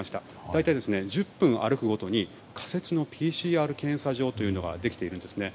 大体、１０分歩くごとに仮設のＰＣＲ検査場というのができているんです。